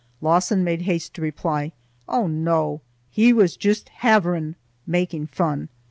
Lawson made haste to reply, "Oh, no! He was juist haverin (making fun)."